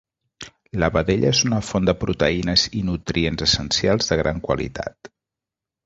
La vedella és una font de proteïnes i nutrients essencials de gran qualitat.